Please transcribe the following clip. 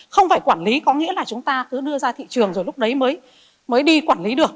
không phải quản lý có nghĩa là chúng ta cứ đưa ra thị trường rồi lúc đấy mới đi quản lý được